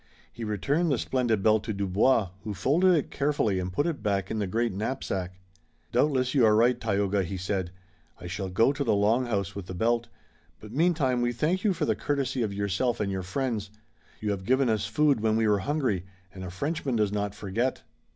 He returned the splendid belt to Dubois, who folded it carefully and put it back in the great knapsack. "Doubtless you are right, Tayoga," he said. "I shall go to the Long House with the belt, but meantime we thank you for the courtesy of yourself and your friends. You have given us food when we were hungry, and a Frenchman does not forget."